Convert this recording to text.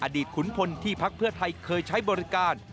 ขุนพลที่พักเพื่อไทยเคยใช้บริการ